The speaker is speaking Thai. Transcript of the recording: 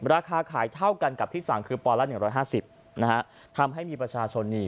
ราคาขายเท่ากันกับที่สั่งคือปอนละ๑๕๐นะฮะทำให้มีประชาชนนี่